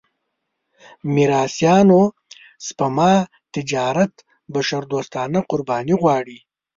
میراثيانو سپما تجارت بشردوستانه قرباني غواړي.